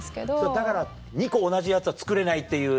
だから２個同じやつは作れないっていうやつね。